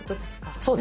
そうです。